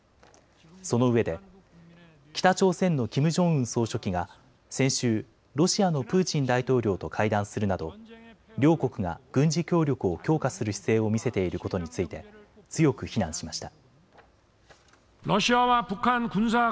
そのうえで北朝鮮のキム・ジョンウン総書記が先週、ロシアのプーチン大統領と会談するなど両国が軍事協力を強化する姿勢を見せていることについて強く非難しました。